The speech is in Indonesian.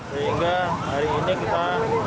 sehingga hari ini kita